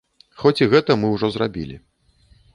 Хоць і гэта мы ўжо зрабілі.